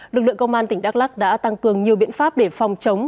lực lượng công an tỉnh đắk lắc đã tăng cường nhiều biện pháp để phòng chống